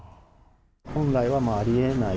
本来はありえない。